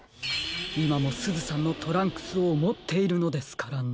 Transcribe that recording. いまもすずさんのトランクスをもっているのですからね。